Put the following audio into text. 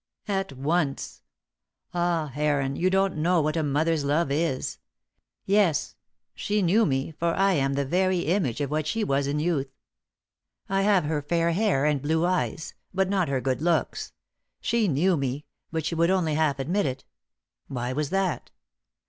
"At once. Ah Heron, you don't know what a mother's love is. Yes; she knew me, for I am the very image of what she was in youth. I have her fair hair and blue eyes; but not her good looks. She knew me, but she would only half admit it." "Why was that?"